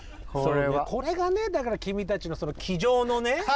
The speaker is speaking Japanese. これがねだから君たちの机上のね